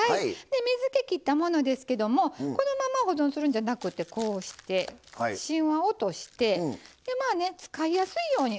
で水けきったものですけどもこのまま保存するんじゃなくてこうして芯は落として使いやすいように。